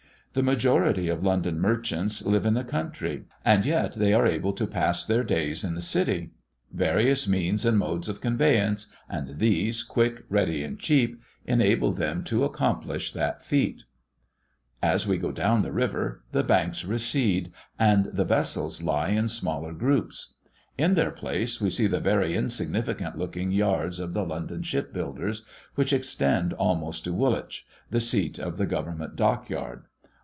The majority of London merchants live in the country, and yet they are able to pass their days in the city. Various means and modes of conveyance, and these quick, ready, and cheap, enable them to accomplish that feat. As we go down the river, the banks recede, and the vessels lie in smaller groups. In their place, we see the very insignificant looking yards of the London shipbuilders, which extend almost to Woolwich, the seat of the government dockyard.